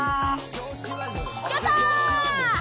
やったー！